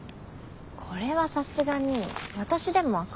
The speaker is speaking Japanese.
これはさすがに私でも分かるよ。